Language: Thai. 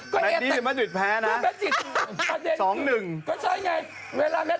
แมทนี้แมทริกแพ้นะ